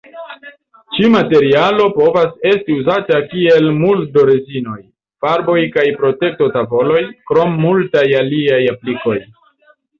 Ĉi-materialo povas esti uzata kiel muldo-rezinoj, farboj kaj protekto-tavoloj, krom multaj aliaj aplikoj.